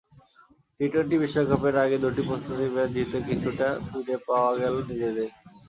T twenty বিশ্বকাপের আগে দুটি প্রস্তুতি ম্যাচ জিতে কিছুটা ফিরে পাওয়া গেল নিজেদের।